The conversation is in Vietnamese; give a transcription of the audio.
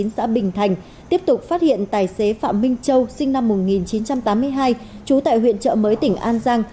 xã bình thành tiếp tục phát hiện tài xế phạm minh châu sinh năm một nghìn chín trăm tám mươi hai trú tại huyện trợ mới tỉnh an giang